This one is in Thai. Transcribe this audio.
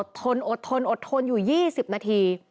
ทนอดทนอดทนอยู่๒๐นาที